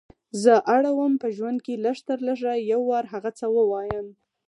زه اړه وم په ژوند کې لږ تر لږه یو وار هغه څه ووایم.